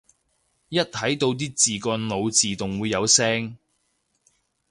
一睇到啲字個腦自動會有聲